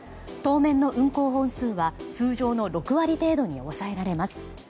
当面の運行本数は通常の６割程度に抑えられます。